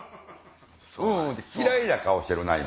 嫌いな顔してるな今。